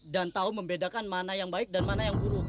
dan tahu membedakan mana yang baik dan mana yang buruk